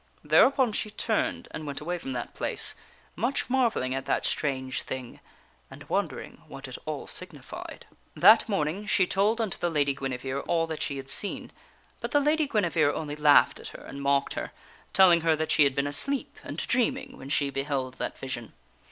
Thereupon she turned and went away from that place, much marvelling at that strange thing, and wondering what it all signified. That morning she told unto the Lady Guinevere all that she had seen, but the Lady Guinevere only laughed at her and mocked her, telling her that she had been asleep and dreaming, when she beheld that vision.